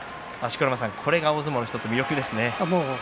これが大相撲の魅力ですね。